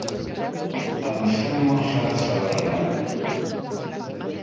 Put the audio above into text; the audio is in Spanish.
Anselmo Zarza Bernal.